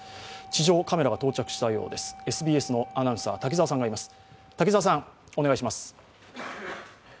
地上カメラが到着したようです、ＳＢＳのアナウンサー、滝澤さんです。